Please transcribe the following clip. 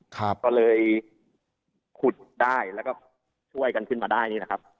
ก็เลยขุดได้แล้วก็ช่วยกันขึ้นมาได้นี่นะครับ